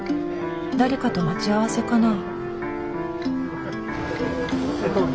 誰かと待ち合わせかな？